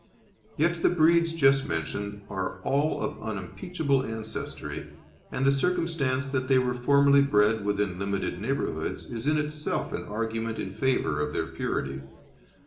Yet the breeds just mentioned are all of unimpeachable ancestry, and the circumstance that they were formerly bred within limited neighbourhoods is in itself an argument in favour of their purity.